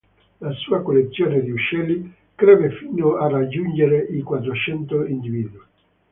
La sua collezione di uccelli crebbe fino a raggiungere i quattrocento individui.